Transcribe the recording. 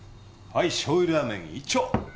はいしょう油ラーメン１丁！